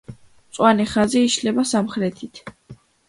მწვანე ხაზი იშლება სამხრეთით.